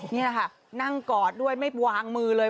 นี่แหละค่ะนั่งกอดด้วยไม่วางมือเลย